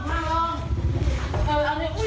เอาล่ะนี่เอานั่งลง